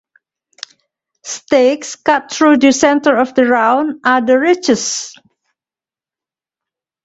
Steaks cut through the centre of the round are the richest.